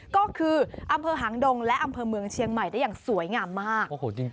ก็คืออำเภอหางดงและอำเภอเมืองเชียงใหม่ได้อย่างสวยงามมาก